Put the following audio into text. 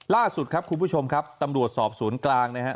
ล่าสุดครับคุณผู้ชมครับตำรวจสอบศูนย์กลางนะครับ